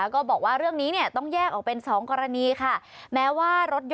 ก็บอกว่าร่วมดังนี้ต้องแยกออกเป็นสองกรณีค่ะ